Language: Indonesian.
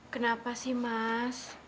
kenapa sih mas